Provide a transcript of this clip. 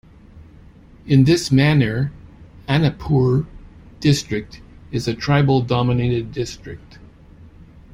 In this manner, Anuppur District is a tribal dominated district.